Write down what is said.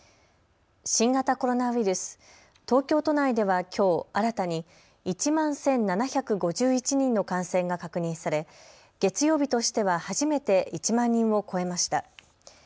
新型コロナウイルス、東京都内ではきょう新たに１万１７５１人の感染が確認され月曜日としては初めて１万人を超えました。